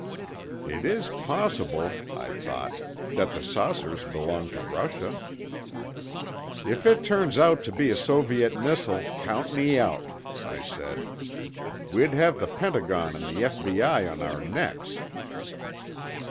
"It is possible," I thought, "that the saucers belong to Russia." "If it turns out to be a Soviet missile, count me out," I said. "We'd have the Pentagon and the F.B.I. on our necks."